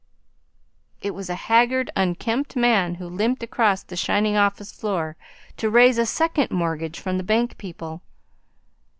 It was a haggard, unkempt man who limped across the shining office floor to raise a second mortgage from the bank people.